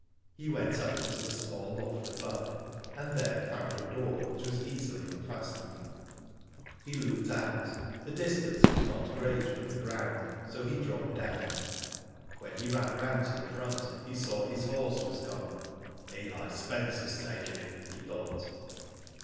He went up into the small loft above, and there found a door, which was easily unfastened. He looked out. The distance was not great from the ground, so he dropped down. When he ran round to the front he saw his horse was gone. " Eli Spence has taken him," he thought.